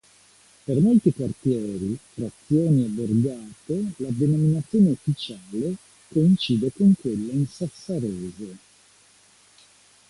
Per molti quartieri, frazioni e borgate la denominazione ufficiale coincide con quella in sassarese.